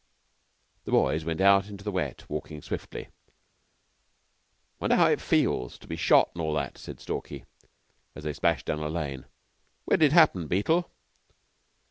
The boys went out into the wet, walking swiftly. "Wonder how it feels to be shot and all that," said Stalky, as they splashed down a lane. "Where did it happen, Beetle?"